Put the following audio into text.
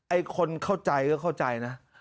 ไอ้คนเข้าใจก็เข้าใจนะ